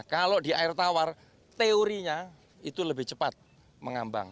kalau di air tawar teorinya itu lebih cepat mengambang